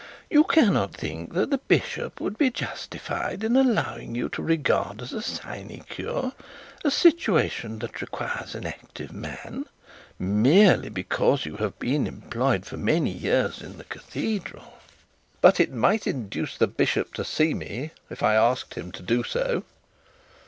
You cannot think that the bishop would be justified in allowing you to regard as a sinecure a situation that requires an active man, merely because you have been employed for many years in the cathedral.' 'But it might induce the bishop to see me, if I asked him to do so.